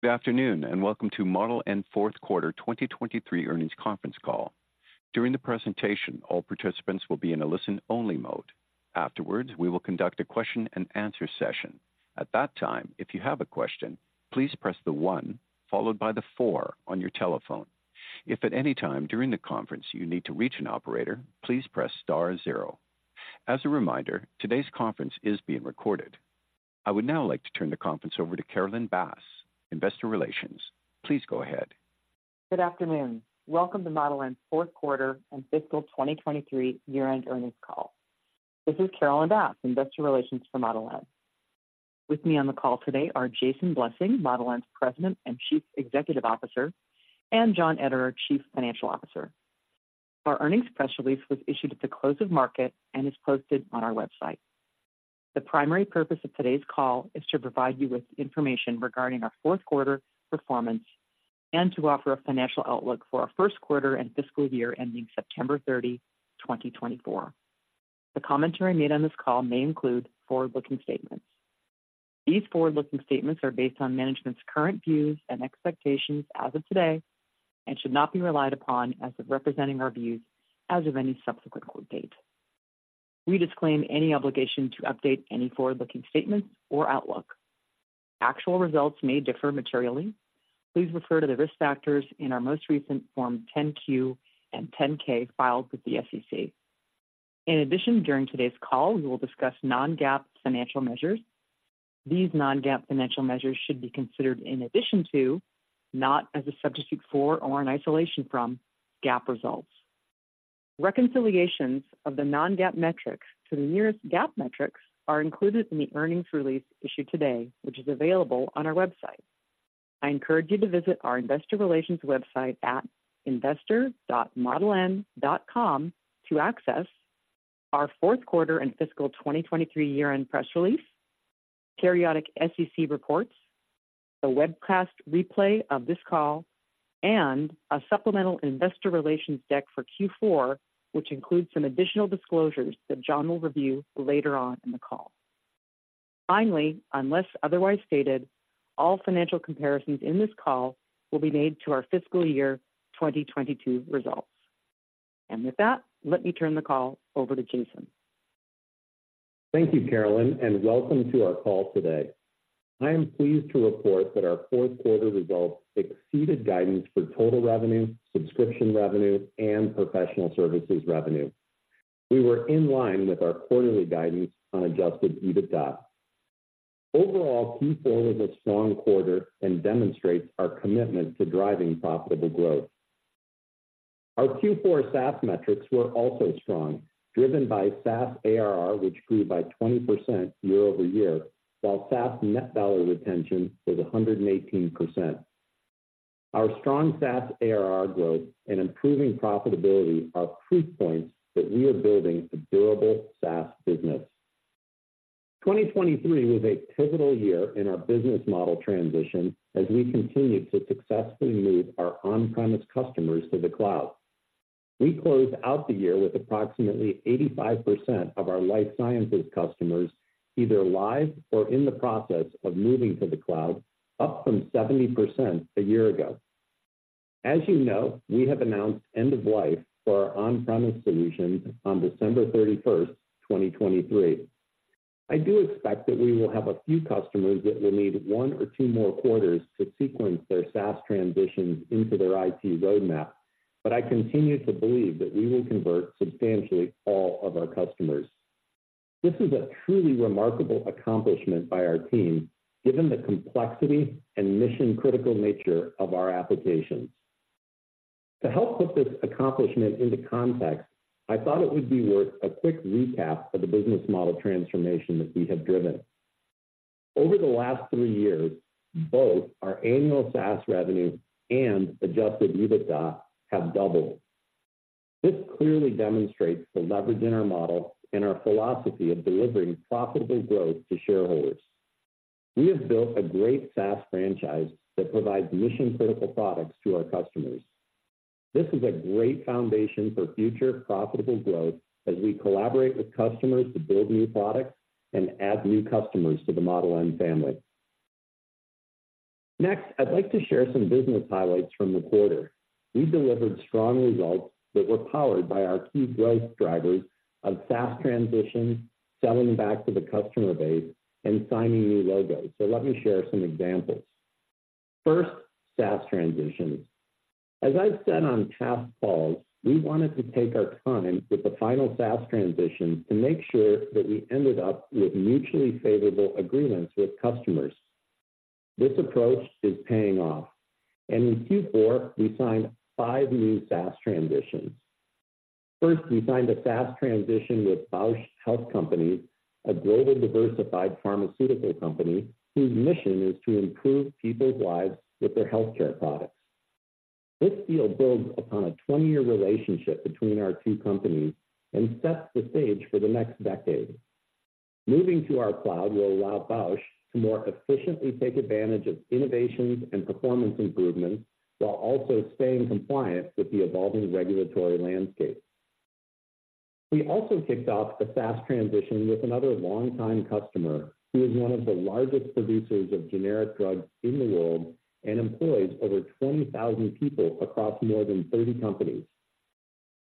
Good afternoon, and welcome to Model N fourth quarter 2023 earnings conference call. During the presentation, all participants will be in a listen-only mode. Afterwards, we will conduct a question-and-answer session. At that time, if you have a question, please press the one followed by the four on your telephone. If at any time during the conference you need to reach an operator, please press star zero. As a reminder, today's conference is being recorded. I would now like to turn the conference over to Carolyn Bass, Investor Relations. Please go ahead. Good afternoon. Welcome to Model N's fourth quarter and fiscal 2023 year-end earnings call. This is Carolyn Bass, Investor Relations for Model N. With me on the call today are Jason Blessing, Model N's President and Chief Executive Officer, and John Ederer, Chief Financial Officer. Our earnings press release was issued at the close of market and is posted on our website. The primary purpose of today's call is to provide you with information regarding our fourth quarter performance and to offer a financial outlook for our first quarter and fiscal year ending September 30, 2024. The commentary made on this call may include forward-looking statements. These forward-looking statements are based on management's current views and expectations as of today, and should not be relied upon as of representing our views as of any subsequent quote date. We disclaim any obligation to update any forward-looking statements or outlook. Actual results may differ materially. Please refer to the risk factors in our most recent Form 10-Q and 10-K filed with the SEC. In addition, during today's call, we will discuss non-GAAP financial measures. These non-GAAP financial measures should be considered in addition to, not as a substitute for or in isolation from, GAAP results. Reconciliations of the non-GAAP metrics to the nearest GAAP metrics are included in the earnings release issued today, which is available on our website. I encourage you to visit our Investor Relations website at investor.modeln.com to access our fourth quarter and fiscal 2023 year-end press release, periodic SEC reports, the webcast replay of this call, and a supplemental Investor Relations deck for Q4, which includes some additional disclosures that John will review later on in the call. Finally, unless otherwise stated, all financial comparisons in this call will be made to our fiscal year 2022 results. With that, let me turn the call over to Jason. Thank you, Carolyn, and welcome to our call today. I am pleased to report that our fourth quarter results exceeded guidance for total revenue, subscription revenue, and professional services revenue. We were in line with our quarterly guidance on Adjusted EBITDA. Overall, Q4 was a strong quarter and demonstrates our commitment to driving profitable growth. Our Q4 SaaS metrics were also strong, driven by SaaS ARR, which grew by 20% year-over-year, while SaaS net dollar retention was 118%. Our strong SaaS ARR growth and improving profitability are proof points that we are building a durable SaaS business. 2023 was a pivotal year in our business model transition as we continued to successfully move our on-premise customers to the cloud. We closed out the year with approximately 85% of our life sciences customers either live or in the process of moving to the cloud, up from 70% a year ago. As you know, we have announced end of life for our on-premise solution on December thirty-first, 2023. I do expect that we will have a few customers that will need one or two more quarters to sequence their SaaS transitions into their IT roadmap, but I continue to believe that we will convert substantially all of our customers. This is a truly remarkable accomplishment by our team, given the complexity and mission-critical nature of our applications. To help put this accomplishment into context, I thought it would be worth a quick recap of the business model transformation that we have driven. Over the last three years, both our annual SaaS revenue and adjusted EBITDA have doubled. This clearly demonstrates the leverage in our model and our philosophy of delivering profitable growth to shareholders. We have built a great SaaS franchise that provides mission-critical products to our customers. This is a great foundation for future profitable growth as we collaborate with customers to build new products and add new customers to the Model N family. Next, I'd like to share some business highlights from the quarter. We delivered strong results that were powered by our key growth drivers of SaaS transition, selling back to the customer base, and signing new logos. So let me share some examples. First, SaaS transition. As I've said on past calls, we wanted to take our time with the final SaaS transition to make sure that we ended up with mutually favorable agreements with customers. This approach is paying off, and in Q4, we signed five new SaaS transitions. First, we signed a SaaS transition with Bausch Health Companies, a global diversified pharmaceutical company whose mission is to improve people's lives with their healthcare products. This deal builds upon a 20-year relationship between our two companies and sets the stage for the next decade. Moving to our cloud will allow Bausch to more efficiently take advantage of innovations and performance improvements while also staying compliant with the evolving regulatory landscape.... We also kicked off the SaaS transition with another long-time customer, who is one of the largest producers of generic drugs in the world and employs over 20,000 people across more than 30 companies.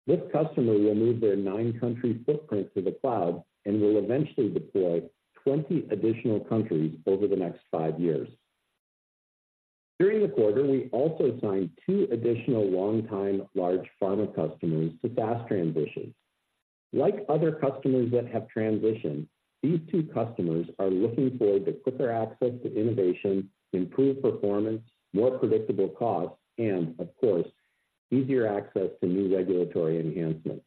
This customer will move their nine-country footprint to the cloud and will eventually deploy 20 additional countries over the next five years. During the quarter, we also signed two additional long-time large pharma customers to SaaS transitions. Like other customers that have transitioned, these two customers are looking forward to quicker access to innovation, improved performance, more predictable costs, and of course, easier access to new regulatory enhancements.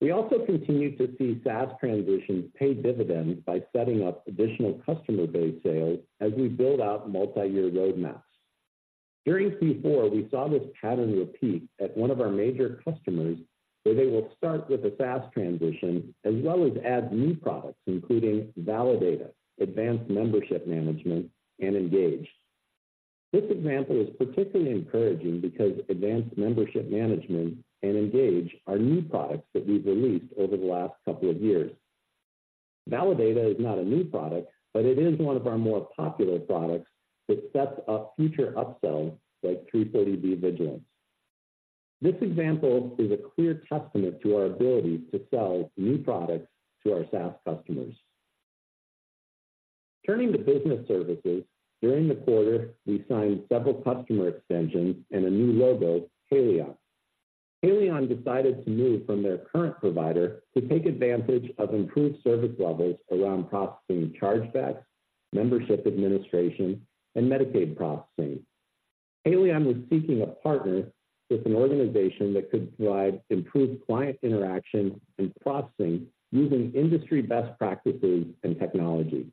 We also continued to see SaaS transitions pay dividends by setting up additional customer base sales as we build out multiyear roadmaps. During Q4, we saw this pattern repeat at one of our major customers, where they will start with a SaaS transition, as well as add new products, including Validata, Advanced Membership Management, and Ngage. This example is particularly encouraging because Advanced Membership Management and Ngage are new products that we've released over the last couple of years. Validata is not a new product, but it is one of our more popular products that sets up future upselling, like 340B Vigilance. This example is a clear testament to our ability to sell new products to our SaaS customers. Turning to business services, during the quarter, we signed several customer extensions and a new logo, Haleon. Haleon decided to move from their current provider to take advantage of improved service levels around processing chargebacks, membership administration, and Medicaid processing. Haleon was seeking a partner with an organization that could provide improved client interaction and processing using industry best practices and technology.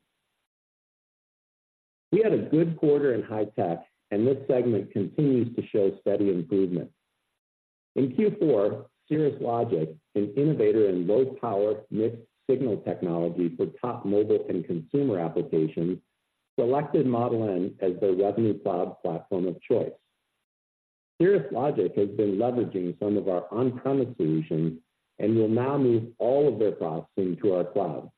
We had a good quarter in high tech, and this segment continues to show steady improvement. In Q4, Cirrus Logic, an innovator in low-power mixed-signal technology for top mobile and consumer applications, selected Model N as their Revenue Cloud platform of choice. Cirrus Logic has been leveraging some of our on-premise solutions and will now move all of their processing to our cloud.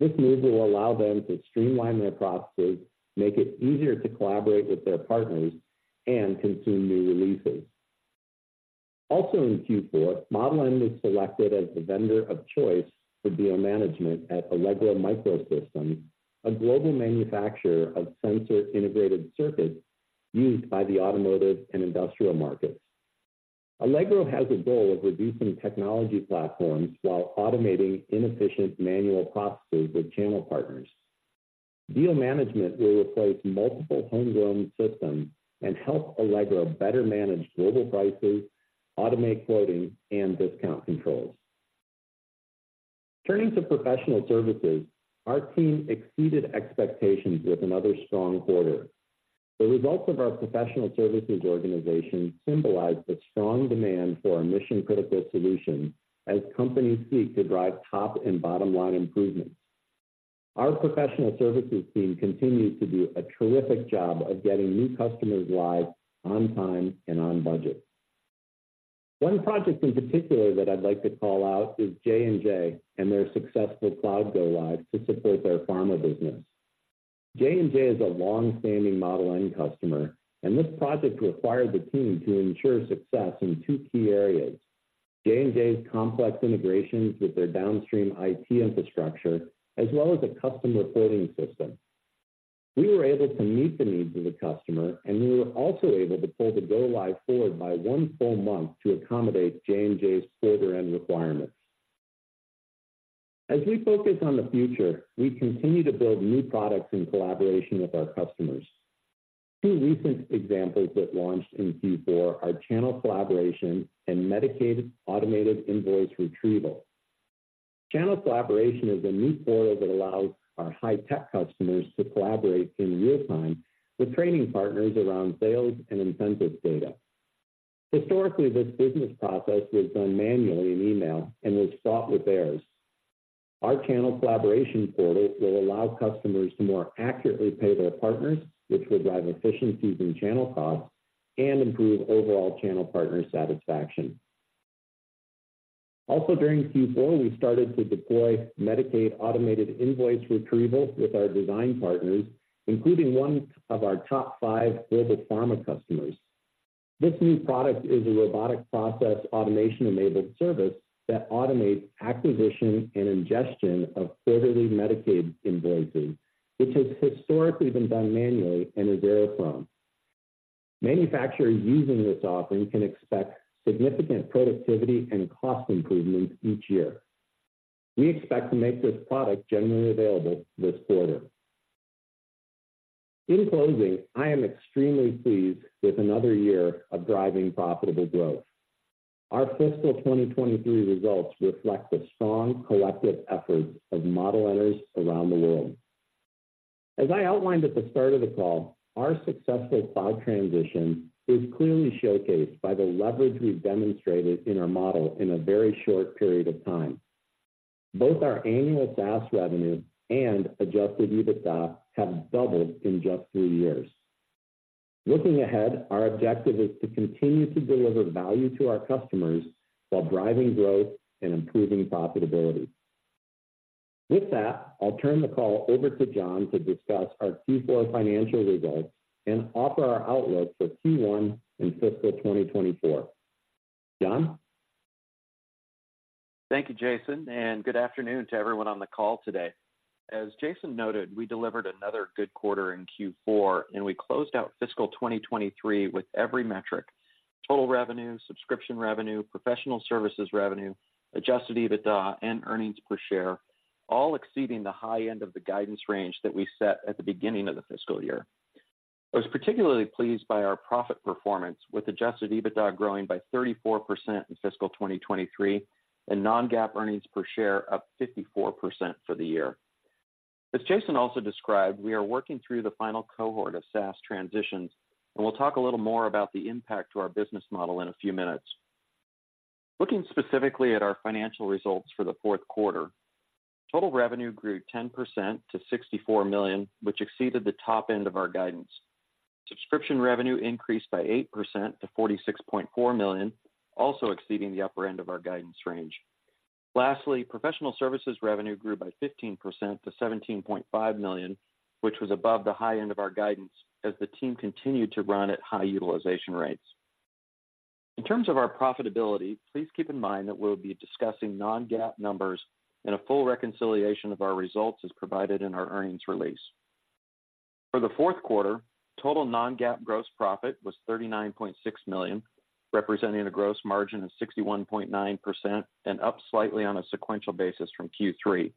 This move will allow them to streamline their processes, make it easier to collaborate with their partners, and consume new releases. Also in Q4, Model N was selected as the Vendor of Choice for Deal Management at Allegro MicroSystems, a global manufacturer of sensor-integrated circuits used by the automotive and industrial markets. Allegro has a goal of reducing technology platforms while automating inefficient manual processes with channel partners. Deal Management will replace multiple homegrown systems and help Allegro better manage global pricing, automate quoting, and discount controls. Turning to professional services, our team exceeded expectations with another strong quarter. The results of our professional services organization symbolize the strong demand for our mission-critical solutions as companies seek to drive top and bottom-line improvements. Our professional services team continues to do a terrific job of getting new customers live on time and on budget. One project in particular that I'd like to call out is J&J and their successful cloud go-live to support their pharma business. J&J is a long-standing Model N customer, and this project required the team to ensure success in two key areas: J&J's complex integrations with their downstream IT infrastructure, as well as a custom reporting system. We were able to meet the needs of the customer, and we were also able to pull the go-live forward by one full month to accommodate J&J's quarter-end requirements. As we focus on the future, we continue to build new products in collaboration with our customers. Two recent examples that launched in Q4 are Channel Collaboration and Medicaid Automated Invoice Retrieval. Channel Collaboration is a new portal that allows our high-tech customers to collaborate in real time with trading partners around sales and incentive data. Historically, this business process was done manually in email and was fraught with errors. Our Channel Collaboration portal will allow customers to more accurately pay their partners, which will drive efficiencies in channel costs and improve overall channel partner satisfaction. Also during Q4, we started to deploy Medicaid Automated Invoice Retrieval with our design partners, including one of our top five global pharma customers. This new product is a robotic process automation-enabled service that automates acquisition and ingestion of quarterly Medicaid invoices, which has historically been done manually and is error-prone. Manufacturers using this offering can expect significant productivity and cost improvements each year. We expect to make this product generally available this quarter. In closing, I am extremely pleased with another year of driving profitable growth. Our fiscal 2023 results reflect the strong collective efforts of Model Ners around the world. As I outlined at the start of the call, our successful SaaS transition is clearly showcased by the leverage we've demonstrated in our model in a very short period of time. Both our annual SaaS revenue and adjusted EBITDA have doubled in just three years. Looking ahead, our objective is to continue to deliver value to our customers while driving growth and improving profitability. With that, I'll turn the call over to John to discuss our Q4 financial results and offer our outlook for Q1 and fiscal 2024. John? Thank you, Jason, and good afternoon to everyone on the call today. As Jason noted, we delivered another good quarter in Q4, and we closed out fiscal 2023 with every metric, total revenue, subscription revenue, professional services revenue, adjusted EBITDA, and earnings per share, all exceeding the high end of the guidance range that we set at the beginning of the fiscal year. I was particularly pleased by our profit performance, with adjusted EBITDA growing by 34% in fiscal 2023, and non-GAAP earnings per share up 54% for the year. As Jason also described, we are working through the final cohort of SaaS transitions, and we'll talk a little more about the impact to our business model in a few minutes. Looking specifically at our financial results for the fourth quarter, total revenue grew 10% to $64 million, which exceeded the top end of our guidance. Subscription revenue increased by 8% to $46.4 million, also exceeding the upper end of our guidance range. Lastly, professional services revenue grew by 15% to $17.5 million, which was above the high end of our guidance as the team continued to run at high utilization rates. In terms of our profitability, please keep in mind that we'll be discussing non-GAAP numbers, and a full reconciliation of our results is provided in our earnings release. For the fourth quarter, total non-GAAP gross profit was $39.6 million, representing a gross margin of 61.9% and up slightly on a sequential basis from Q3.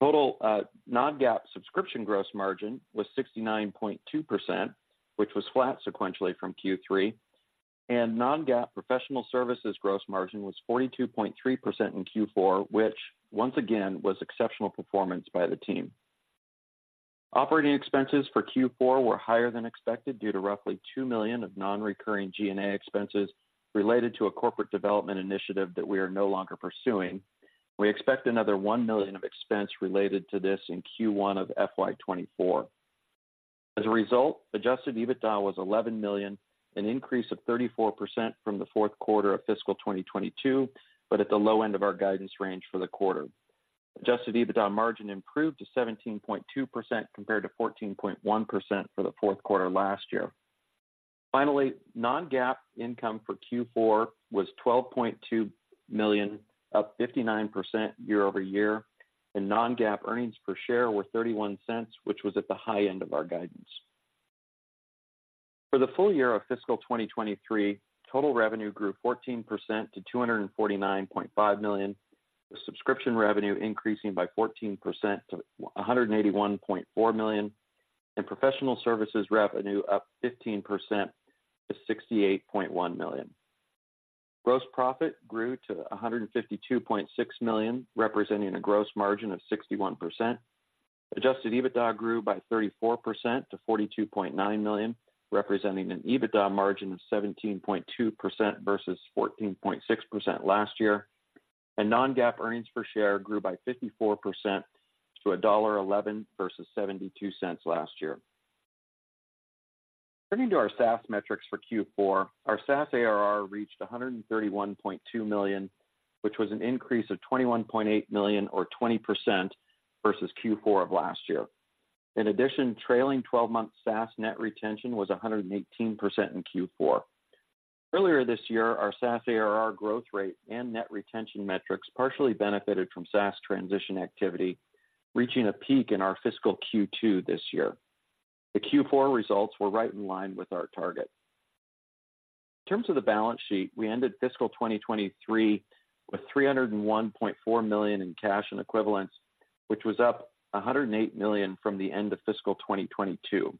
Total, non-GAAP subscription gross margin was 69.2%, which was flat sequentially from Q3, and non-GAAP professional services gross margin was 42.3% in Q4, which once again, was exceptional performance by the team. Operating expenses for Q4 were higher than expected due to roughly $2 million of non-recurring G&A expenses related to a corporate development initiative that we are no longer pursuing. We expect another $1 million of expense related to this in Q1 of FY 2024. As a result, adjusted EBITDA was $11 million, an increase of 34% from the fourth quarter of fiscal 2022, but at the low end of our guidance range for the quarter. Adjusted EBITDA margin improved to 17.2%, compared to 14.1% for the fourth quarter last year. Finally, non-GAAP income for Q4 was $12.2 million, up 59% year over year, and non-GAAP earnings per share were $0.31, which was at the high end of our guidance. For the full year of fiscal 2023, total revenue grew 14% to $249.5 million, with subscription revenue increasing by 14% to $181.4 million, and professional services revenue up 15% to $68.1 million. Gross profit grew to $152.6 million, representing a gross margin of 61%. Adjusted EBITDA grew by 34% to $42.9 million, representing an EBITDA margin of 17.2% versus 14.6% last year, and non-GAAP earnings per share grew by 54% to $1.11 versus $0.72 last year. Turning to our SaaS metrics for Q4, our SaaS ARR reached $131.2 million, which was an increase of $21.8 million or 20% versus Q4 of last year. In addition, trailing 12-month SaaS net retention was 118% in Q4. Earlier this year, our SaaS ARR growth rate and net retention metrics partially benefited from SaaS transition activity, reaching a peak in our fiscal Q2 this year. The Q4 results were right in line with our target. In terms of the balance sheet, we ended fiscal 2023 with $301.4 million in cash and equivalents, which was up $108 million from the end of fiscal 2022.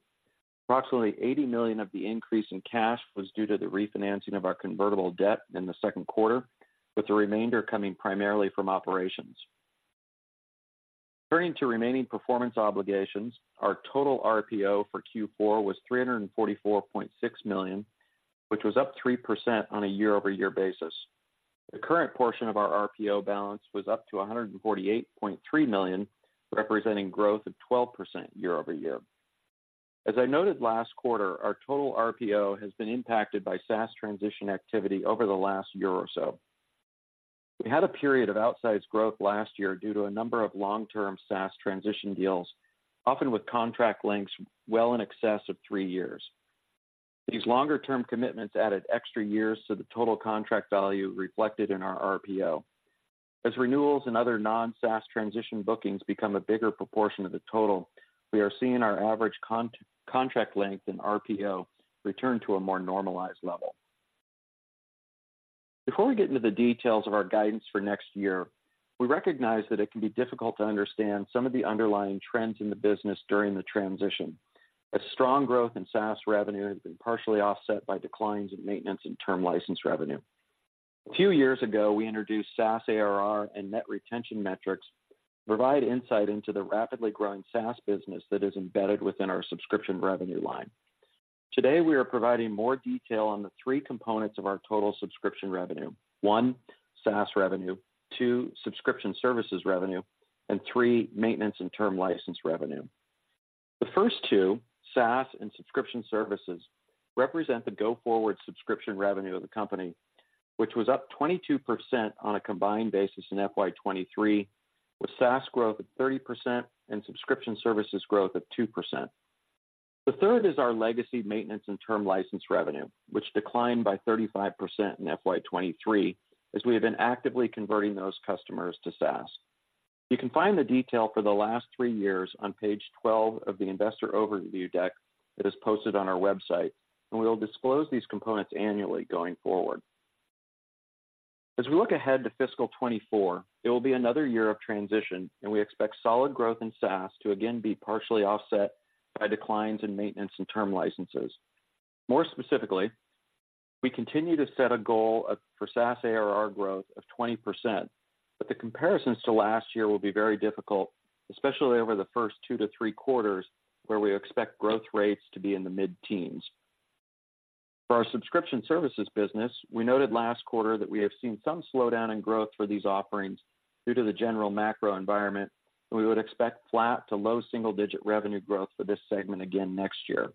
Approximately $80 million of the increase in cash was due to the refinancing of our convertible debt in the second quarter, with the remainder coming primarily from operations. Turning to remaining performance obligations, our total RPO for Q4 was $344.6 million, which was up 3% on a year-over-year basis. The current portion of our RPO balance was up to $148.3 million, representing growth of 12% year-over-year. As I noted last quarter, our total RPO has been impacted by SaaS transition activity over the last year or so. We had a period of outsized growth last year due to a number of long-term SaaS transition deals, often with contract lengths well in excess of three years. These longer-term commitments added extra years to the total contract value reflected in our RPO. As renewals and other non-SaaS transition bookings become a bigger proportion of the total, we are seeing our average contract length in RPO return to a more normalized level. Before we get into the details of our guidance for next year, we recognize that it can be difficult to understand some of the underlying trends in the business during the transition. A strong growth in SaaS revenue has been partially offset by declines in maintenance and term license revenue. A few years ago, we introduced SaaS ARR and net retention metrics to provide insight into the rapidly growing SaaS business that is embedded within our subscription revenue line. Today, we are providing more detail on the three components of our total subscription revenue: one, SaaS revenue, two, subscription services revenue,... and three, maintenance and term license revenue. The first two, SaaS and subscription services, represent the go-forward subscription revenue of the company, which was up 22% on a combined basis in FY 2023, with SaaS growth at 30% and subscription services growth at 2%. The third is our legacy maintenance and term license revenue, which declined by 35% in FY 2023, as we have been actively converting those customers to SaaS. You can find the detail for the last three years on page 12 of the investor overview deck that is posted on our website, and we will disclose these components annually going forward. As we look ahead to fiscal 2024, it will be another year of transition, and we expect solid growth in SaaS to again be partially offset by declines in maintenance and term licenses. More specifically, we continue to set a goal of, for SaaS ARR growth of 20%, but the comparisons to last year will be very difficult, especially over the first two to three quarters, where we expect growth rates to be in the mid-teens. For our subscription services business, we noted last quarter that we have seen some slowdown in growth for these offerings due to the general macro environment, and we would expect flat to low single-digit revenue growth for this segment again next year.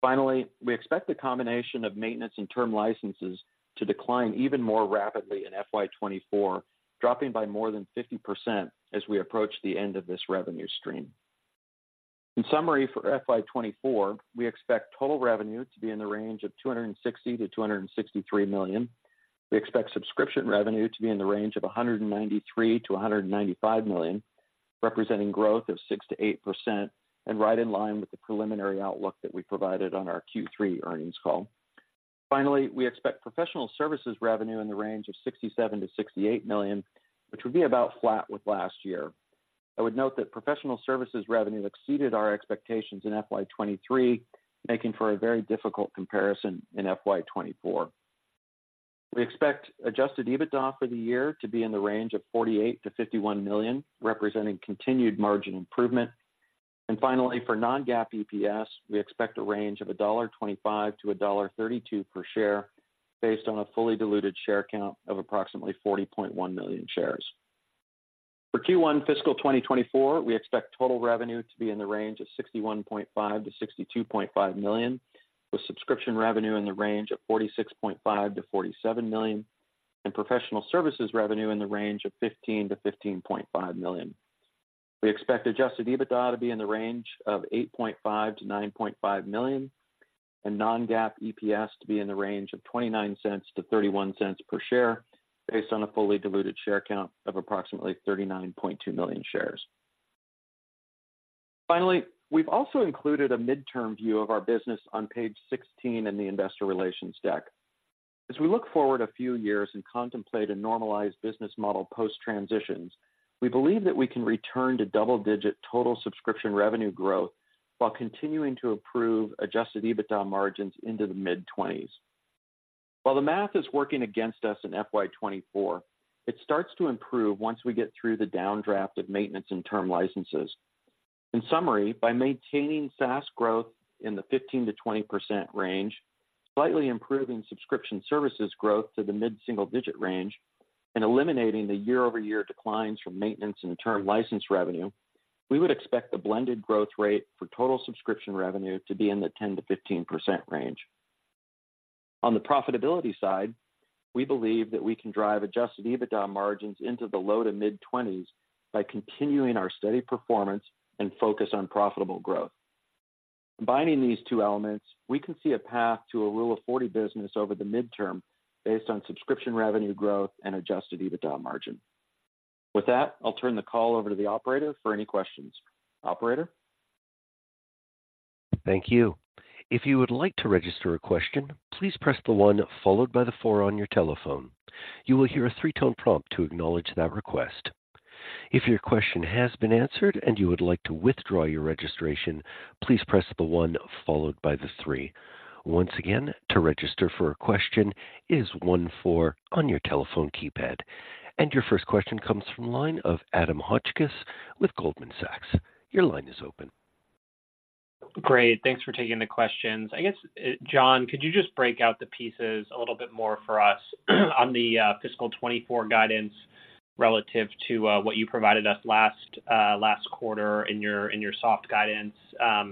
Finally, we expect the combination of maintenance and term licenses to decline even more rapidly in FY 2024, dropping by more than 50% as we approach the end of this revenue stream. In summary, for FY 2024, we expect total revenue to be in the range of $260 million-$263 million. We expect subscription revenue to be in the range of $193 million-$195 million, representing growth of 6%-8% and right in line with the preliminary outlook that we provided on our Q3 earnings call. Finally, we expect professional services revenue in the range of $67 million-$68 million, which would be about flat with last year. I would note that professional services revenue exceeded our expectations in FY 2023, making for a very difficult comparison in FY 2024. We expect adjusted EBITDA for the year to be in the range of $48 million-$51 million, representing continued margin improvement. And finally, for non-GAAP EPS, we expect a range of $1.25-$1.32 per share, based on a fully diluted share count of approximately 40.1 million shares. For Q1 fiscal 2024, we expect total revenue to be in the range of $61.5 million-$62.5 million, with subscription revenue in the range of $46.5 million-$47 million, and professional services revenue in the range of $15 million-$15.5 million. We expect adjusted EBITDA to be in the range of $8.5 million-$9.5 million, and non-GAAP EPS to be in the range of $0.29-$0.31 per share, based on a fully diluted share count of approximately 39.2 million shares. Finally, we've also included a midterm view of our business on page 16 in the Investor Relations deck. As we look forward a few years and contemplate a normalized business model post-transitions, we believe that we can return to double-digit total subscription revenue growth while continuing to improve adjusted EBITDA margins into the mid-20s. While the math is working against us in FY 2024, it starts to improve once we get through the downdraft of maintenance and term licenses. In summary, by maintaining SaaS growth in the 15%-20% range, slightly improving subscription services growth to the mid-single-digit range, and eliminating the year-over-year declines from maintenance and term license revenue, we would expect the blended growth rate for total subscription revenue to be in the 10%-15% range. On the profitability side, we believe that we can drive adjusted EBITDA margins into the low- to mid-20s by continuing our steady performance and focus on profitable growth. Combining these two elements, we can see a path to a Rule of 40 business over the midterm based on subscription revenue growth and Adjusted EBITDA margin. With that, I'll turn the call over to the operator for any questions. Operator? Thank you. If you would like to register a question, please press the one followed by the four on your telephone. You will hear a three-tone prompt to acknowledge that request. If your question has been answered and you would like to withdraw your registration, please press the one followed by the three. Once again, to register for a question, is one four on your telephone keypad. Your first question comes from the line of Adam Hotchkiss with Goldman Sachs. Your line is open. Great, thanks for taking the questions. I guess, John, could you just break out the pieces a little bit more for us, on the fiscal 2024 guidance relative to what you provided us last quarter in your soft guidance?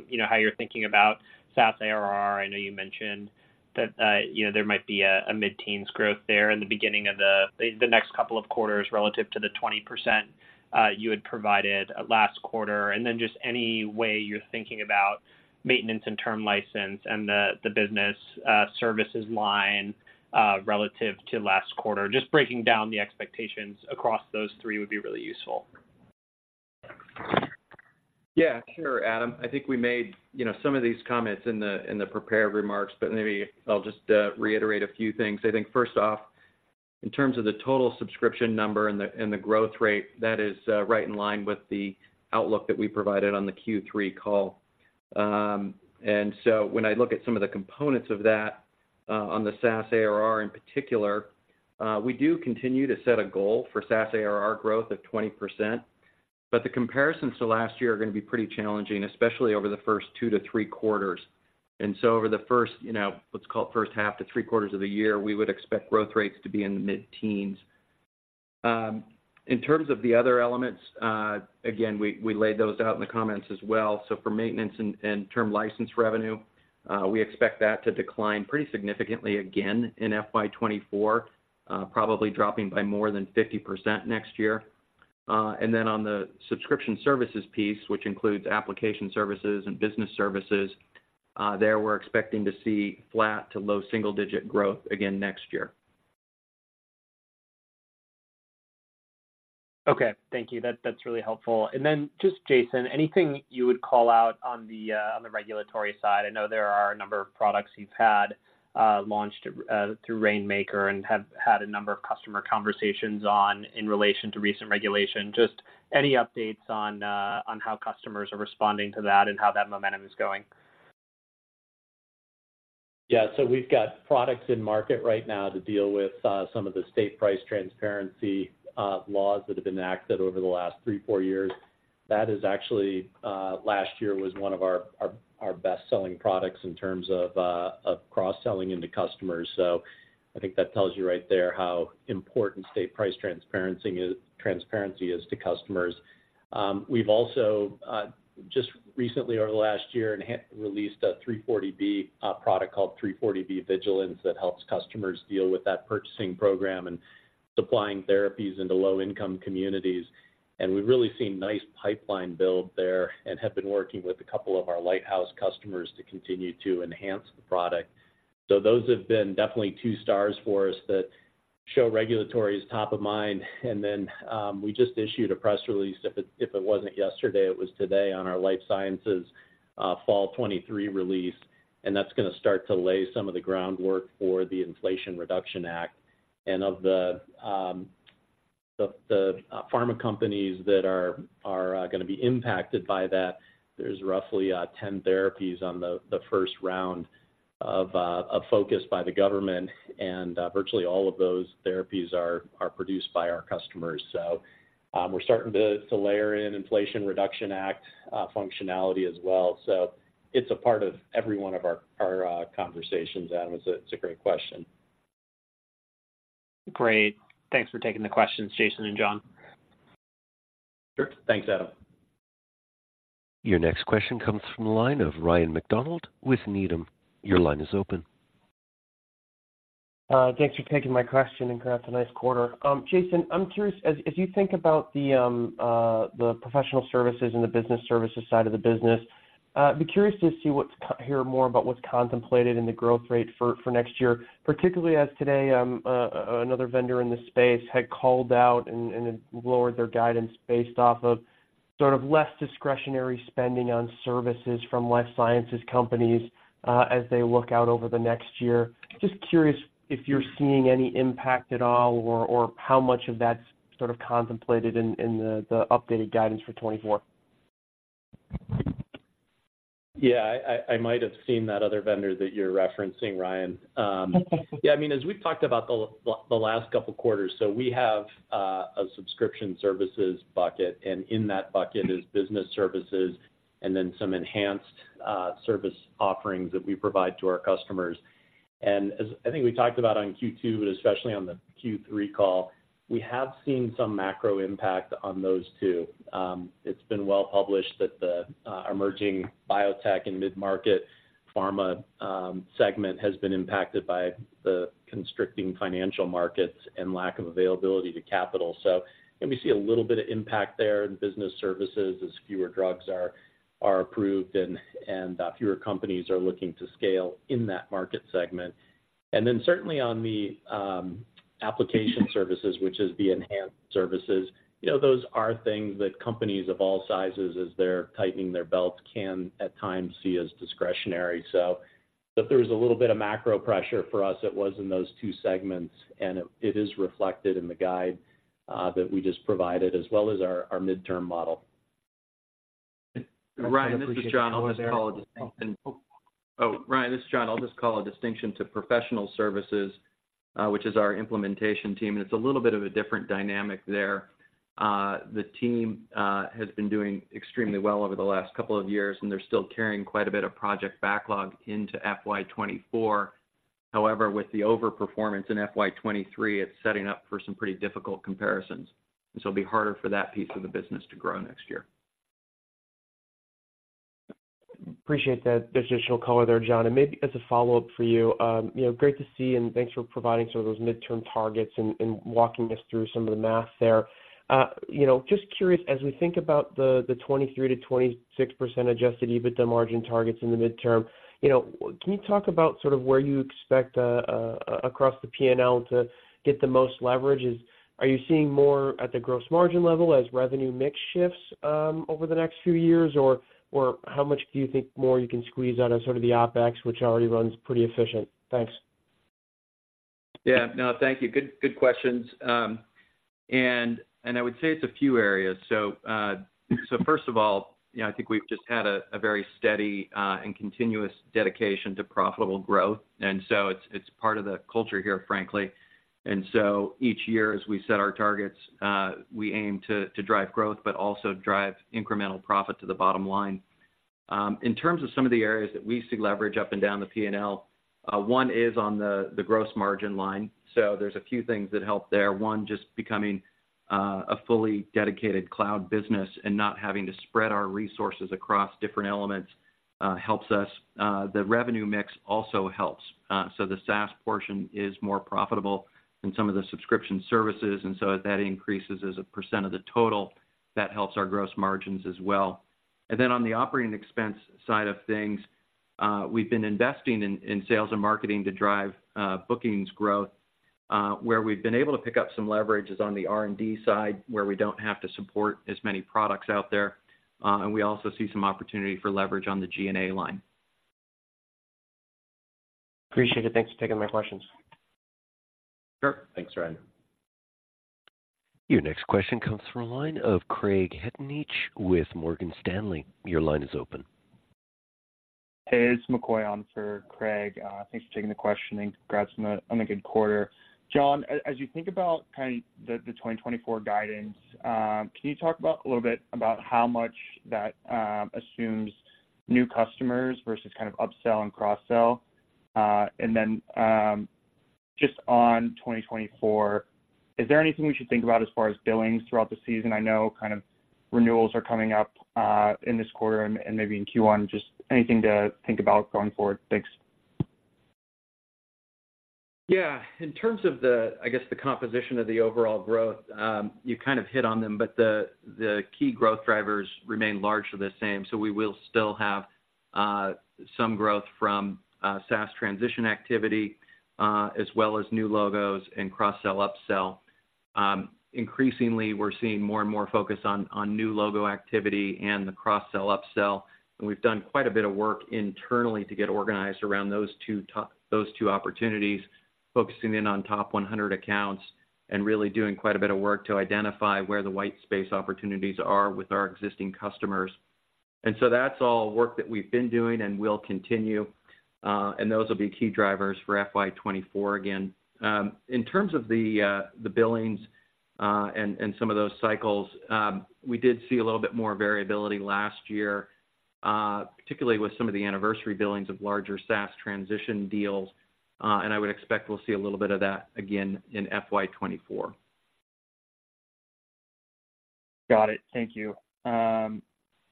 You know, how you're thinking about SaaS ARR. I know you mentioned that, you know, there might be a mid-teens growth there in the beginning of the next couple of quarters relative to the 20% you had provided last quarter. And then just any way you're thinking about maintenance and term license and the business services line relative to last quarter. Just breaking down the expectations across those three would be really useful. Yeah, sure, Adam. I think we made, you know, some of these comments in the, in the prepared remarks, but maybe I'll just, reiterate a few things. I think first off, in terms of the total subscription number and the, and the growth rate, that is, right in line with the outlook that we provided on the Q3 call. And so when I look at some of the components of that, on the SaaS ARR in particular, we do continue to set a goal for SaaS ARR growth of 20%, but the comparisons to last year are going to be pretty challenging, especially over the first two to three quarters. And so over the first, you know, let's call it first half to three quarters of the year, we would expect growth rates to be in the mid-teens. In terms of the other elements, again, we laid those out in the comments as well. So for maintenance and term license revenue, we expect that to decline pretty significantly again in FY 2024, probably dropping by more than 50% next year. And then on the subscription services piece, which includes application services and business services, we're expecting to see flat to low single-digit growth again next year. Okay. Thank you. That, that's really helpful. And then just Jason, anything you would call out on the, on the regulatory side? I know there are a number of products you've had, launched, through Rainmaker and have had a number of customer conversations on in relation to recent regulation. Just any updates on, on how customers are responding to that and how that momentum is going? Yeah. So we've got products in market right now to deal with some of the State Price Transparency laws that have been enacted over the last three to four years. That is actually last year was one of our best-selling products in terms of cross-selling into customers. So I think that tells you right there how important State Price Transparency is to customers. We've also just recently, over the last year, released a 340B product called 340B Vigilance that helps customers deal with that purchasing program and supplying therapies into low-income communities. And we've really seen nice pipeline build there and have been working with a couple of our lighthouse customers to continue to enhance the product. So those have been definitely two stars for us that show regulatory is top of mind. And then, we just issued a press release. If it wasn't yesterday, it was today, on our Life Sciences Fall 2023 release, and that's gonna start to lay some of the groundwork for the Inflation Reduction Act. And of the pharma companies that are gonna be impacted by that, there's roughly 10 therapies on the first round of focus by the government, and virtually all of those therapies are produced by our customers. So, we're starting to layer in Inflation Reduction Act functionality as well. So it's a part of every one of our conversations, Adam. It's a great question. Great. Thanks for taking the questions, Jason and John. Sure. Thanks, Adam. Your next question comes from the line of Ryan MacDonald with Needham. Your line is open. Thanks for taking my question, and congrats on a nice quarter. Jason, I'm curious, as you think about the professional services and the business services side of the business, I'd be curious to hear more about what's contemplated in the growth rate for next year, particularly as today another vendor in this space had called out and had lowered their guidance based off of sort of less discretionary spending on services from life sciences companies, as they look out over the next year. Just curious if you're seeing any impact at all, or how much of that's sort of contemplated in the updated guidance for 2024. Yeah, I might have seen that other vendor that you're referencing, Ryan. Yeah, I mean, as we've talked about the last couple of quarters, so we have a subscription services bucket, and in that bucket is business services and then some enhanced service offerings that we provide to our customers. And as I think we talked about on Q2, but especially on the Q3 call, we have seen some macro impact on those two. It's been well published that the emerging biotech and mid-market pharma segment has been impacted by the constricting financial markets and lack of availability to capital. So then we see a little bit of impact there in business services as fewer drugs are approved and fewer companies are looking to scale in that market segment. And then certainly on the application services, which is the enhanced services, you know, those are things that companies of all sizes, as they're tightening their belts, can at times see as discretionary. So, if there was a little bit of macro pressure for us, it was in those two segments, and it is reflected in the guide that we just provided, as well as our midterm model. Ryan, this is John. I'll just call a distinction to professional services, which is our implementation team, and it's a little bit of a different dynamic there. The team has been doing extremely well over the last couple of years, and they're still carrying quite a bit of project backlog into FY 2024. However, with the overperformance in FY 2023, it's setting up for some pretty difficult comparisons, and so it'll be harder for that piece of the business to grow next year. Appreciate that additional color there, John. Maybe as a follow-up for you, you know, great to see and thanks for providing sort of those midterm targets and walking us through some of the math there. You know, just curious, as we think about the 23%-26% adjusted EBITDA margin targets in the midterm, you know, can you talk about sort of where you expect across the P&L to get the most leverage? Are you seeing more at the gross margin level as revenue mix shifts over the next few years? Or how much do you think more you can squeeze out of sort of the OpEx, which already runs pretty efficient? Thanks. Yeah. No, thank you. Good, good questions. And I would say it's a few areas. So, first of all, you know, I think we've just had a very steady and continuous dedication to profitable growth, and so it's part of the culture here, frankly. And so each year, as we set our targets, we aim to drive growth, but also drive incremental profit to the bottom line. In terms of some of the areas that we see leverage up and down the P&L, one is on the gross margin line. So there's a few things that help there. One, just becoming a fully dedicated cloud business and not having to spread our resources across different elements helps us. The revenue mix also helps. So the SaaS portion is more profitable than some of the subscription services, and so as that increases as a percent of the total, that helps our gross margins as well. And then on the operating expense side of things, we've been investing in sales and marketing to drive bookings growth, where we've been able to pick up some leverage is on the R&D side, where we don't have to support as many products out there. We also see some opportunity for leverage on the G&A line. Appreciate it. Thanks for taking my questions. Sure. Thanks, Ryan. Your next question comes from a line of Craig Hettenbach with Morgan Stanley. Your line is open. Hey, it's McCoy on for Craig. Thanks for taking the question, and congrats on a good quarter. John, as you think about kind of the 2024 guidance, can you talk about a little bit about how much that assumes new customers versus kind of upsell and cross-sell? And then, just on 2024, is there anything we should think about as far as billings throughout the season? I know kind of renewals are coming up in this quarter and maybe in Q1. Just anything to think about going forward? Thanks. Yeah. In terms of the, I guess, the composition of the overall growth, you kind of hit on them, but the, the key growth drivers remain largely the same. So we will still have some growth from SaaS transition activity, as well as new logos and cross-sell, upsell. Increasingly, we're seeing more and more focus on new logo activity and the cross-sell, upsell, and we've done quite a bit of work internally to get organized around those two opportunities, focusing in on top 100 accounts and really doing quite a bit of work to identify where the white space opportunities are with our existing customers. And so that's all work that we've been doing and will continue, and those will be key drivers for FY 2024 again. In terms of the billings and some of those cycles, we did see a little bit more variability last year, particularly with some of the anniversary billings of larger SaaS transition deals, and I would expect we'll see a little bit of that again in FY 2024. Got it. Thank you.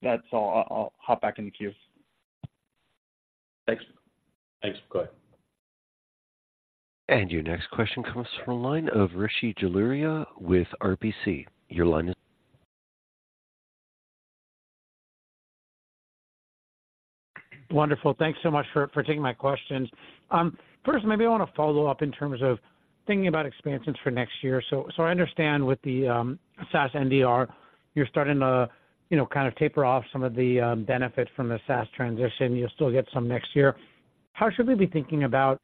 That's all. I'll hop back in the queue. Thanks. Thanks, McCoy. Your next question comes from a line of Rishi Jaluria with RBC. Your line is- Wonderful. Thanks so much for taking my questions. First, maybe I want to follow up in terms of thinking about expansions for next year. So I understand with the SaaS NDR, you're starting to, you know, kind of taper off some of the benefits from the SaaS transition. You'll still get some next year. How should we be thinking about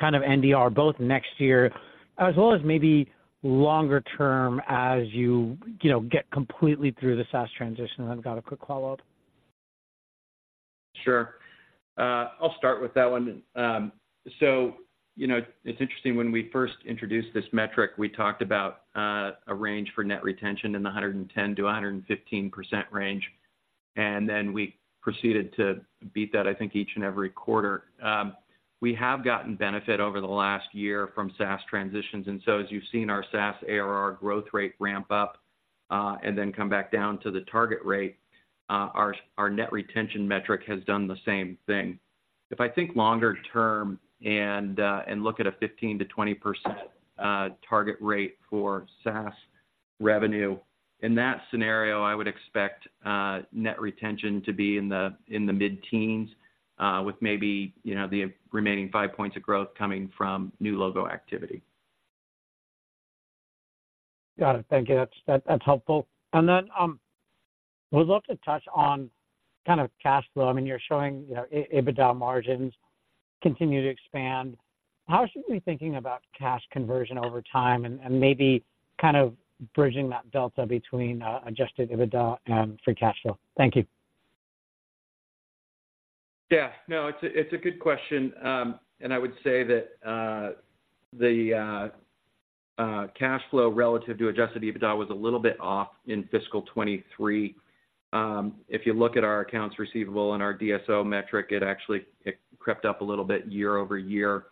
kind of NDR, both next year, as well as maybe longer term as you know get completely through the SaaS transition? I've got a quick follow-up. Sure. I'll start with that one. So you know, it's interesting, when we first introduced this metric, we talked about a range for net retention in the 110%-115% range, and then we proceeded to beat that, I think, each and every quarter. We have gotten benefit over the last year from SaaS transitions, and so as you've seen our SaaS ARR growth rate ramp up, and then come back down to the target rate, our net retention metric has done the same thing. If I think longer term and look at a 15%-20% target rate for SaaS revenue, in that scenario, I would expect net retention to be in the mid-teens with maybe, you know, the remaining 5 points of growth coming from new logo activity. Got it. Thank you. That's, that's helpful. And then, would love to touch on kind of cash flow. I mean, you're showing, you know, EBITDA margins continue to expand. How should we be thinking about cash conversion over time and, and maybe kind of bridging that delta between adjusted EBITDA and free cash flow? Thank you. Yeah. No, it's a good question. I would say that the cash flow relative to Adjusted EBITDA was a little bit off in fiscal 2023. If you look at our accounts receivable and our DSO metric, it actually crept up a little bit year-over-year.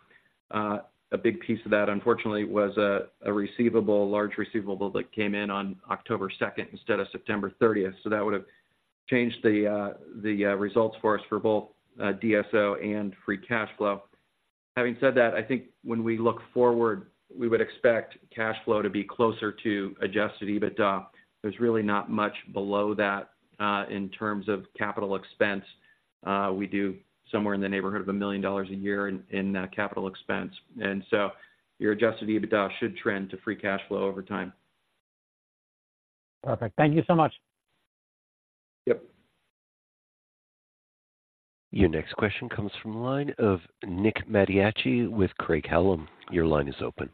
A big piece of that, unfortunately, was a large receivable that came in on October 2 instead of September 30. So that would have changed the results for us for both DSO and free cash flow. Having said that, I think when we look forward, we would expect cash flow to be closer to Adjusted EBITDA. There's really not much below that in terms of capital expense. We do somewhere in the neighborhood of $1 million a year in capital expense, and so your Adjusted EBITDA should trend to free cash flow over time. Perfect. Thank you so much. Yep. Your next question comes from the line of Nick Mattiacci with Craig-Hallum. Your line is open.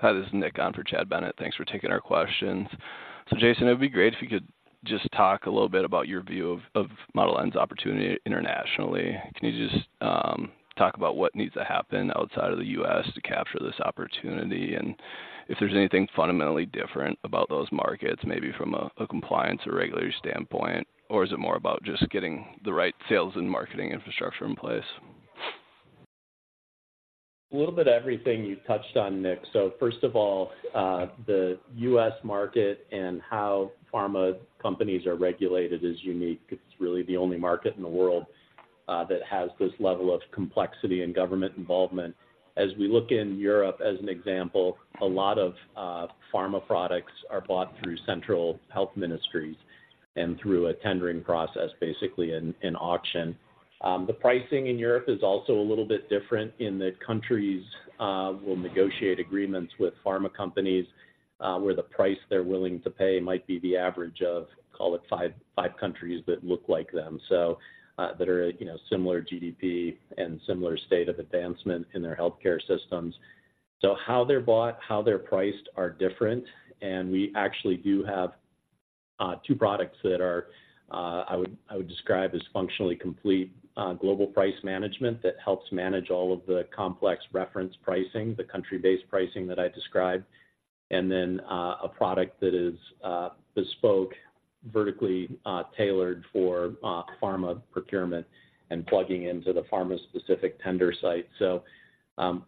Hi, this is Nick on for Chad Bennett. Thanks for taking our questions. So, Jason, it would be great if you could just talk a little bit about your view of Model N's opportunity internationally. Can you just talk about what needs to happen outside of the U.S. to capture this opportunity? And if there's anything fundamentally different about those markets, maybe from a compliance or regulatory standpoint, or is it more about just getting the right sales and marketing infrastructure in place? A little bit of everything you've touched on, Nick. So first of all, the U.S. market and how pharma companies are regulated is unique. It's really the only market in the world that has this level of complexity and government involvement. As we look in Europe, as an example, a lot of pharma products are bought through central health ministries and through a tendering process, basically an auction. The pricing in Europe is also a little bit different in that countries will negotiate agreements with pharma companies, where the price they're willing to pay might be the average of, call it five, five countries that look like them, so that are, you know, similar GDP and similar state of advancement in their healthcare systems. So how they're bought, how they're priced are different, and we actually do have two products that are, I would describe as functionally complete, Global Price Management, that helps manage all of the complex reference pricing, the country-based pricing that I described. And then, a product that is bespoke, vertically tailored for pharma procurement and plugging into the pharma-specific tender site. So,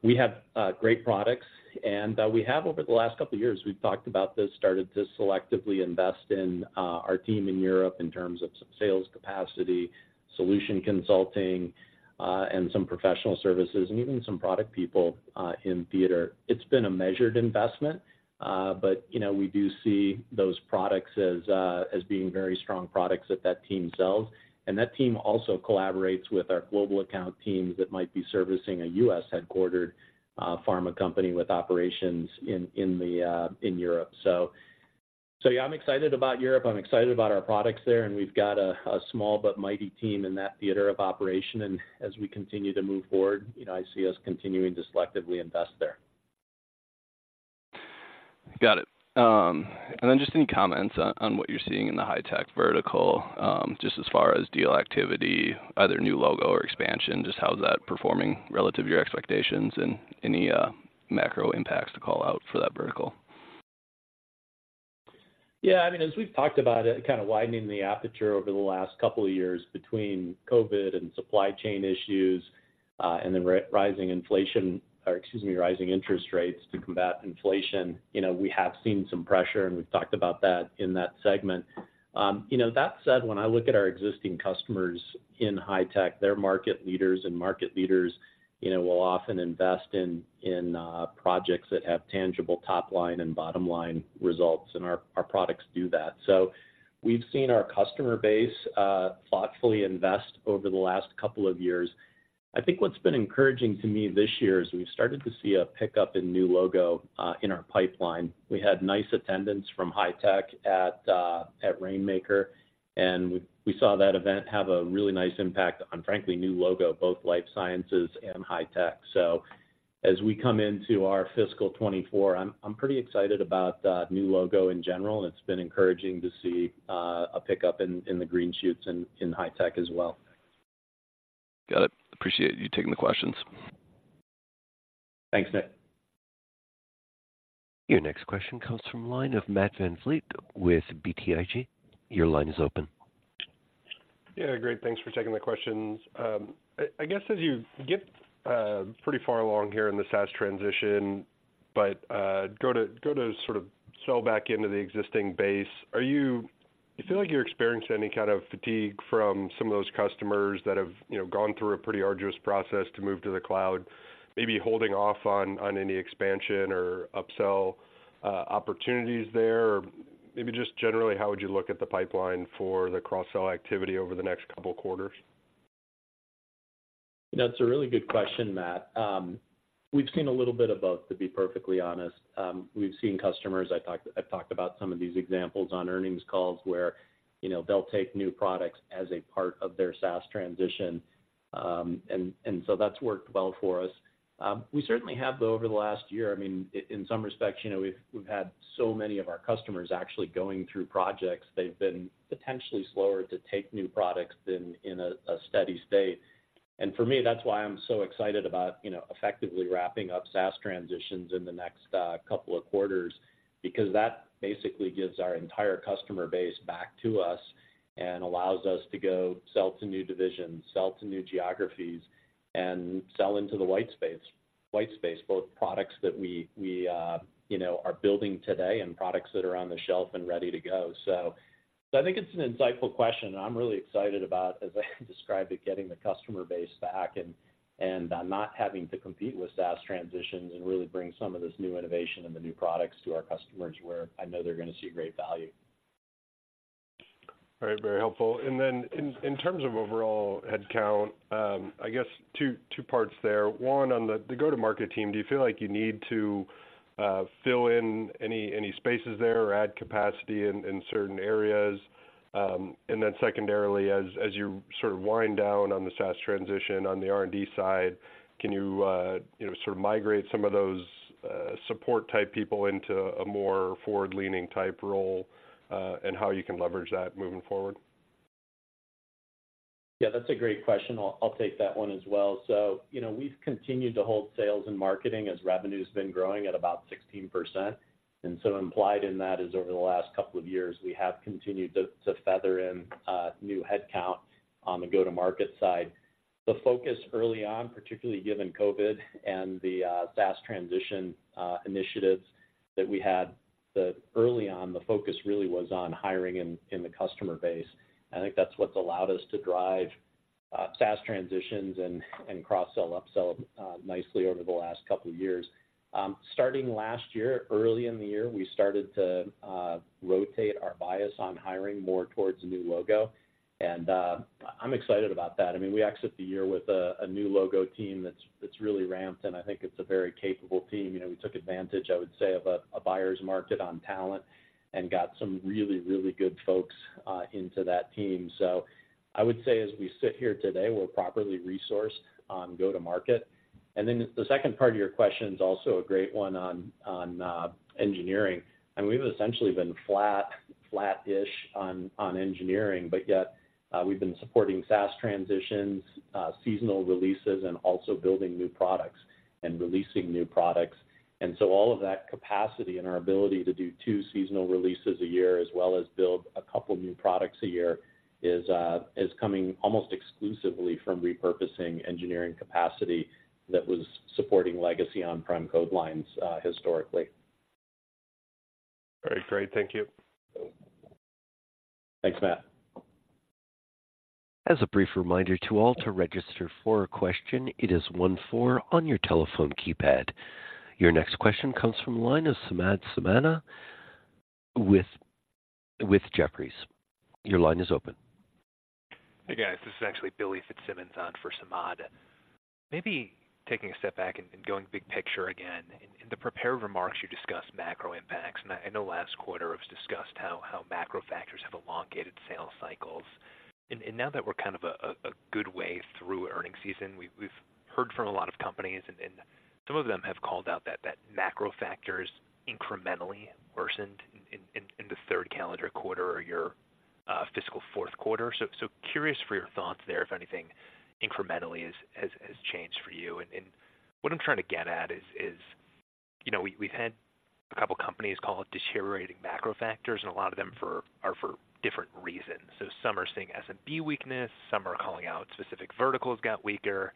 we have great products, and we have over the last couple of years, we've talked about this, started to selectively invest in our team in Europe in terms of some sales capacity, solution consulting, and some professional services, and even some product people in theater. It's been a measured investment, but, you know, we do see those products as being very strong products that that team sells. And that team also collaborates with our global account teams that might be servicing a U.S.-headquartered pharma company with operations in Europe. So yeah, I'm excited about Europe. I'm excited about our products there, and we've got a small but mighty team in that theater of operation. And as we continue to move forward, you know, I see us continuing to selectively invest there. Got it. And then just any comments on what you're seeing in the high-tech vertical, just as far as deal activity, either new logo or expansion, just how is that performing relative to your expectations, and any macro impacts to call out for that vertical? Yeah, I mean, as we've talked about it, kind of widening the aperture over the last couple of years between COVID and supply chain issues, and the rising inflation, or excuse me, rising interest rates to combat inflation, you know, we have seen some pressure, and we've talked about that in that segment. You know, that said, when I look at our existing customers in high-tech, they're market leaders, and market leaders, you know, will often invest in projects that have tangible top line and bottom line results, and our products do that. So we've seen our customer base thoughtfully invest over the last couple of years. I think what's been encouraging to me this year is we've started to see a pickup in new logo in our pipeline. We had nice attendance from high-tech at Rainmaker, and we saw that event have a really nice impact on, frankly, new logo, both life sciences and high-tech. So as we come into our fiscal 2024, I'm pretty excited about new logo in general, and it's been encouraging to see a pickup in the green shoots in high-tech as well. Got it. Appreciate you taking the questions. Thanks, Nick. Your next question comes from line of Matt VanVliet with BTIG. Your line is open. Yeah, great. Thanks for taking the questions. I guess as you get pretty far along here in the SaaS transition, but go to sort of sell back into the existing base, do you feel like you're experiencing any kind of fatigue from some of those customers that have, you know, gone through a pretty arduous process to move to the cloud, maybe holding off on any expansion or upsell opportunities there? Or maybe just generally, how would you look at the pipeline for the cross-sell activity over the next couple of quarters? That's a really good question, Matt. We've seen a little bit of both, to be perfectly honest. We've seen customers. I talked, I've talked about some of these examples on earnings calls where, you know, they'll take new products as a part of their SaaS transition. And so that's worked well for us. We certainly have, though, over the last year. I mean, in some respects, you know, we've had so many of our customers actually going through projects. They've been potentially slower to take new products than in a steady state. For me, that's why I'm so excited about, you know, effectively wrapping up SaaS transitions in the next couple of quarters, because that basically gives our entire customer base back to us and allows us to go sell to new divisions, sell to new geographies, and sell into the white space-white space, both products that we you know are building today and products that are on the shelf and ready to go. So I think it's an insightful question, and I'm really excited about, as I described it, getting the customer base back and not having to compete with SaaS transitions and really bring some of this new innovation and the new products to our customers, where I know they're going to see great value. All right. Very helpful. And then in terms of overall headcount, I guess two parts there. One, on the go-to-market team, do you feel like you need to fill in any spaces there or add capacity in certain areas? And then secondarily, as you sort of wind down on the SaaS transition on the R&D side, can you, you know, sort of migrate some of those support-type people into a more forward-leaning type role, and how you can leverage that moving forward? Yeah, that's a great question. I'll, I'll take that one as well. So, you know, we've continued to hold sales and marketing as revenue's been growing at about 16%. And so implied in that is over the last couple of years, we have continued to, to feather in, new headcount on the go-to-market side. The focus early on, particularly given COVID and the, SaaS transition, initiatives that we had, the early on, the focus really was on hiring in, in the customer base. I think that's what's allowed us to drive, SaaS transitions and, and cross-sell, upsell, nicely over the last couple of years. Starting last year, early in the year, we started to, rotate our bias on hiring more towards new logo, and, I'm excited about that. I mean, we exit the year with a new logo team that's really ramped, and I think it's a very capable team. You know, we took advantage, I would say, of a buyer's market on talent and got some really, really good folks into that team. So I would say as we sit here today, we're properly resourced on go-to-market. And then the second part of your question is also a great one on engineering, and we've essentially been flat, flat-ish on engineering, but yet we've been supporting SaaS transitions, seasonal releases, and also building new products and releasing new products. All of that capacity and our ability to do two seasonal releases a year, as well as build a couple new products a year, is coming almost exclusively from repurposing engineering capacity that was supporting legacy on-prem code lines, historically. All right, great. Thank you. Thanks, Matt. As a brief reminder to all, to register for a question, it is one, four on your telephone keypad. Your next question comes from the line of Samad Samana with Jefferies. Your line is open. Hey, guys, this is actually Billy Fitzsimmons on for Samad. Maybe taking a step back and going big picture again. In the prepared remarks, you discussed macro impacts, and I know last quarter it was discussed how macro factors have elongated sales cycles. And now that we're kind of a good way through earnings season, we've heard from a lot of companies, and some of them have called out that macro factors incrementally worsened in the third calendar quarter or your fiscal fourth quarter. So curious for your thoughts there, if anything incrementally has changed for you. And what I'm trying to get at is, you know, we've had a couple companies call it deteriorating macro factors, and a lot of them are for different reasons. So some are seeing SMB weakness, some are calling out specific verticals got weaker,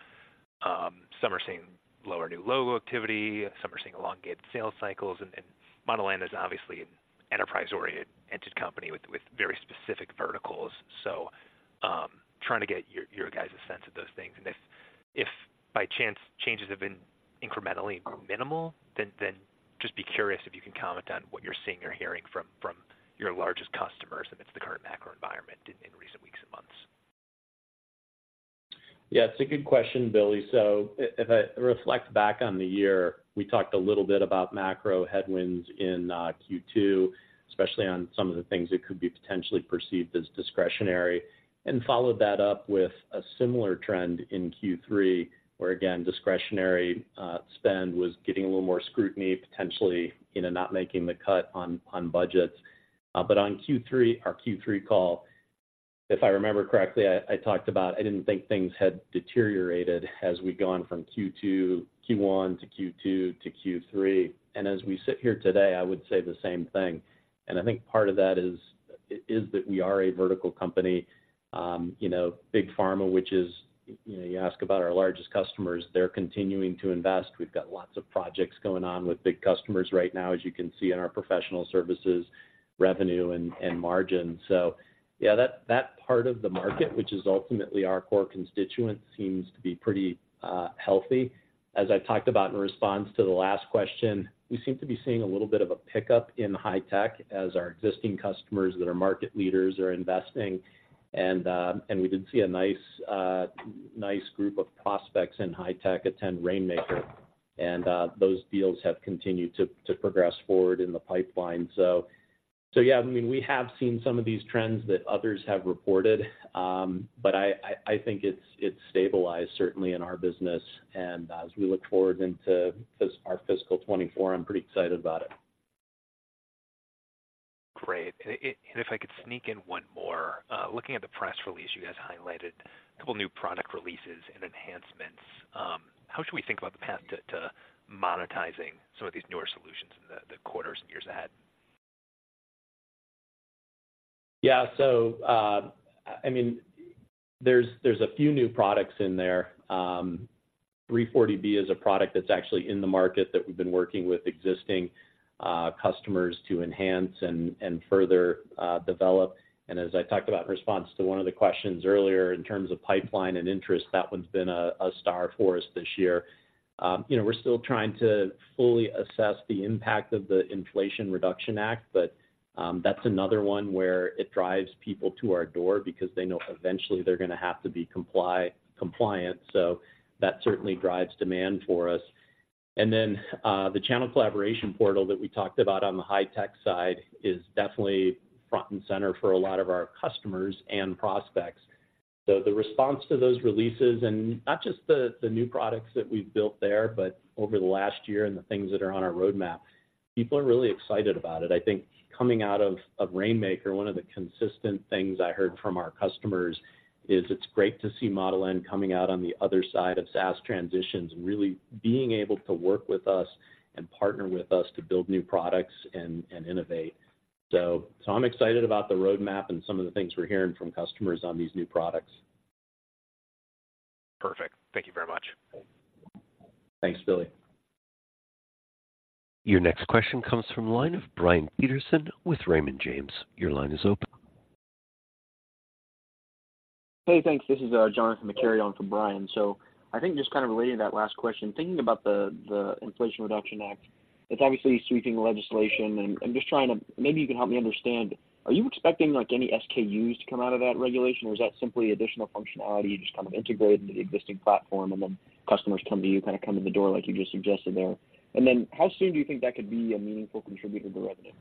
some are seeing lower new logo activity, some are seeing elongated sales cycles. And Model N is obviously an enterprise-oriented company with very specific verticals. So, trying to get your guys' sense of those things, and if by chance, changes have been incrementally minimal, then just be curious if you can comment on what you're seeing or hearing from your largest customers amidst the current macro environment in recent weeks and months. Yeah, it's a good question, Billy. So if I reflect back on the year, we talked a little bit about macro headwinds in Q2, especially on some of the things that could be potentially perceived as discretionary, and followed that up with a similar trend in Q3, where, again, discretionary spend was getting a little more scrutiny, potentially, you know, not making the cut on budgets. But on our Q3 call, if I remember correctly, I talked about I didn't think things had deteriorated as we'd gone from Q1 to Q2 to Q3. And as we sit here today, I would say the same thing. And I think part of that is that we are a vertical company. You know, big pharma, which is, you know, you ask about our largest customers, they're continuing to invest. We've got lots of projects going on with big customers right now, as you can see in our professional services revenue and margin. So yeah, that part of the market, which is ultimately our core constituent, seems to be pretty healthy. As I talked about in response to the last question, we seem to be seeing a little bit of a pickup in high tech as our existing customers that are market leaders are investing. And we did see a nice group of prospects in high tech attend Rainmaker, and those deals have continued to progress forward in the pipeline. So yeah, I mean, we have seen some of these trends that others have reported. But I think it's stabilized certainly in our business. As we look forward into our fiscal 2024, I'm pretty excited about it. Great. And if I could sneak in one more. Looking at the press release, you guys highlighted a couple new product releases and enhancements. How should we think about the path to monetizing some of these newer solutions in the quarters and years ahead? Yeah. So, I mean, there's a few new products in there. 340B is a product that's actually in the market that we've been working with existing customers to enhance and further develop. And as I talked about in response to one of the questions earlier, in terms of pipeline and interest, that one's been a star for us this year. You know, we're still trying to fully assess the impact of the Inflation Reduction Act, but that's another one where it drives people to our door because they know eventually they're gonna have to be compliant. So that certainly drives demand for us. And then, the Channel Collaboration portal that we talked about on the high-tech side is definitely front and center for a lot of our customers and prospects. So the response to those releases, and not just the new products that we've built there, but over the last year and the things that are on our roadmap, people are really excited about it. I think coming out of Rainmaker, one of the consistent things I heard from our customers is it's great to see Model N coming out on the other side of SaaS transitions and really being able to work with us and partner with us to build new products and innovate. So I'm excited about the roadmap and some of the things we're hearing from customers on these new products. Perfect. Thank you very much. Thanks, Billy. Your next question comes from the line of Brian Peterson with Raymond James. Your line is open. Hey, thanks. This is Johnathan McCary on for Brian. So I think just kind of relating to that last question, thinking about the Inflation Reduction Act, it's obviously sweeping legislation, and I'm just trying to, maybe you can help me understand: Are you expecting, like, any SKUs to come out of that regulation, or is that simply additional functionality you just kind of integrate into the existing platform, and then customers come to you, kind of come in the door, like you just suggested there? And then how soon do you think that could be a meaningful contributor to revenue?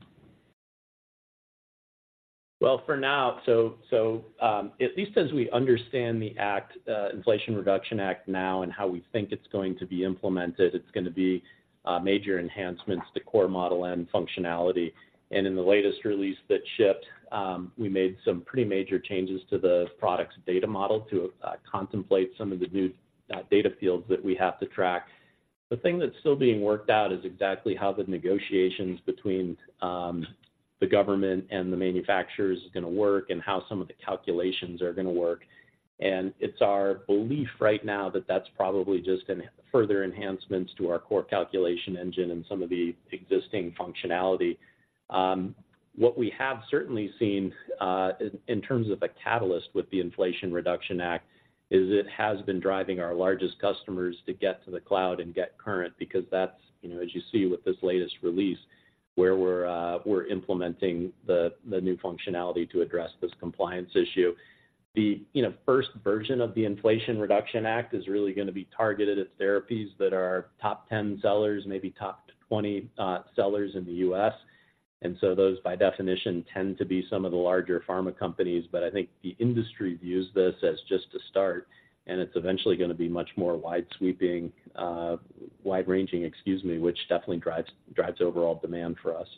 Well, for now, at least as we understand the Act, Inflation Reduction Act now and how we think it's going to be implemented, it's gonna be major enhancements to core Model N functionality. And in the latest release that shipped, we made some pretty major changes to the products data model to contemplate some of the new data fields that we have to track. The thing that's still being worked out is exactly how the negotiations between the government and the manufacturers is gonna work and how some of the calculations are gonna work. And it's our belief right now that that's probably just gonna further enhancements to our core calculation engine and some of the existing functionality. What we have certainly seen, in terms of a catalyst with the Inflation Reduction Act, is it has been driving our largest customers to get to the cloud and get current, because that's, you know, as you see with this latest release, where we're implementing the new functionality to address this compliance issue. You know, first version of the Inflation Reduction Act is really gonna be targeted at therapies that are top 10 sellers, maybe top 20 sellers in the U.S. And so those, by definition, tend to be some of the larger pharma companies. But I think the industry views this as just a start, and it's eventually gonna be much more wide sweeping, wide-ranging, excuse me, which definitely drives overall demand for us.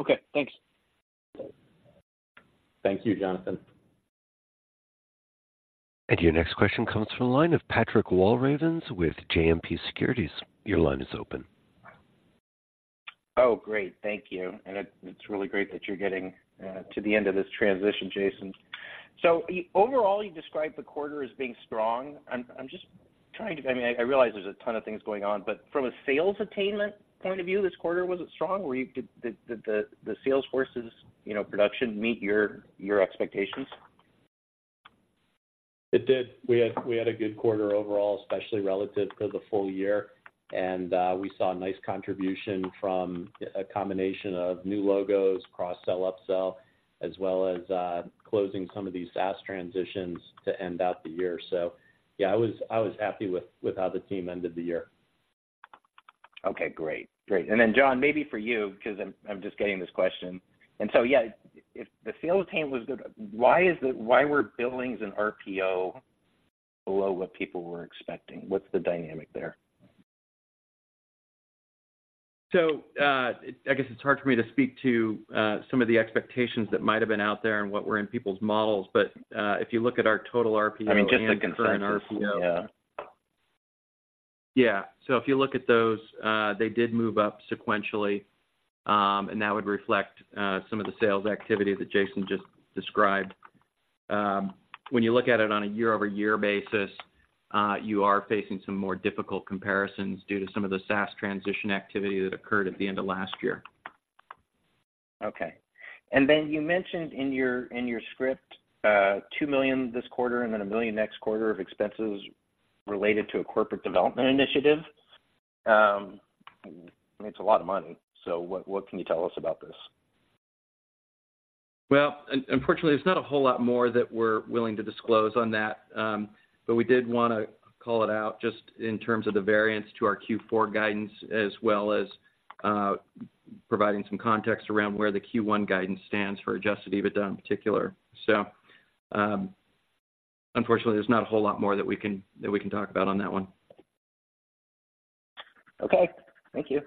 Okay, thanks. Thank you, Johnathan. Your next question comes from the line of Patrick Walravens with JMP Securities. Your line is open. Oh, great. Thank you. And it's really great that you're getting to the end of this transition, Jason. So overall, you described the quarter as being strong. I'm just trying to... I mean, I realize there's a ton of things going on, but from a sales attainment point of view, this quarter, was it strong? Were you-- did the sales forces, you know, production meet your expectations? It did. We had a good quarter overall, especially relative to the full year, and we saw a nice contribution from a combination of new logos, cross-sell, upsell, as well as closing some of these SaaS transitions to end out the year. So yeah, I was happy with how the team ended the year. Okay, great. Great. And then, John, maybe for you, because I'm just getting this question. And so, yeah, if the sales team was good, why is it—why were billings and RPO below what people were expecting? What's the dynamic there? So, I guess it's hard for me to speak to some of the expectations that might have been out there and what were in people's models. But, if you look at our total RPO- I mean, just the consensus. And current RPO. Yeah. Yeah. If you look at those, they did move up sequentially, and that would reflect some of the sales activity that Jason just described. When you look at it on a year-over-year basis, you are facing some more difficult comparisons due to some of the SaaS transition activity that occurred at the end of last year. Okay. And then you mentioned in your, in your script, $2 million this quarter and then $1 million next quarter of expenses related to a corporate development initiative. It's a lot of money, so what, what can you tell us about this? Well, unfortunately, there's not a whole lot more that we're willing to disclose on that, but we did wanna call it out just in terms of the variance to our Q4 guidance, as well as, providing some context around where the Q1 guidance stands for Adjusted EBITDA in particular. So, unfortunately, there's not a whole lot more that we can talk about on that one. Okay. Thank you.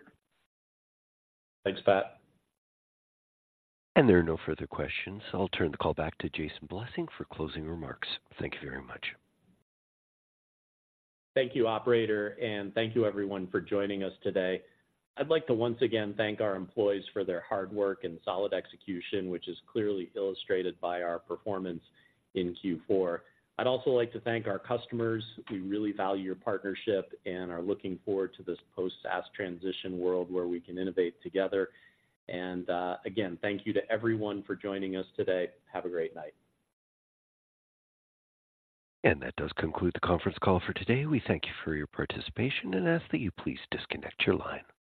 Thanks, Pat. There are no further questions. I'll turn the call back to Jason Blessing for closing remarks. Thank you very much. Thank you, operator, and thank you everyone for joining us today. I'd like to once again thank our employees for their hard work and solid execution, which is clearly illustrated by our performance in Q4. I'd also like to thank our customers. We really value your partnership and are looking forward to this post-SaaS transition world, where we can innovate together. And, again, thank you to everyone for joining us today. Have a great night. That does conclude the conference call for today. We thank you for your participation and ask that you please disconnect your line.